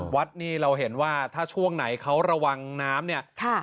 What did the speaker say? วัดนี้เราเห็นว่าถ้าช่วงไหนเขาระวังน้ำเนี่ย